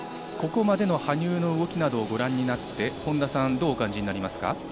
ここまでの羽生の動きなどをご覧になってどう感じますか？